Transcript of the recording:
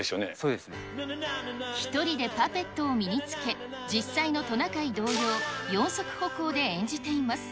１人でパペットを身につけ、実際のトナカイ同様、４足歩行で演じています。